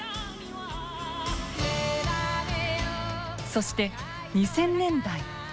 そして２０００年代。